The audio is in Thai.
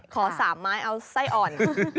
ขอ๓ไม้เอาไส้อ่อน